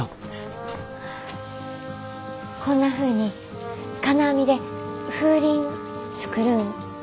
こんなふうに金網で風鈴作るんどうですか？